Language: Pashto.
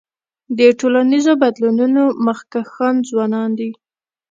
د ټولنیزو بدلونونو مخکښان ځوانان دي.